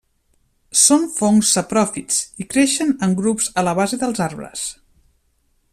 Són fongs sapròfits i creixen en grups a la base dels arbres.